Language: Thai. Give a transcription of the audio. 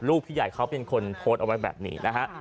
พี่ใหญ่เขาเป็นคนโพสต์เอาไว้แบบนี้นะฮะ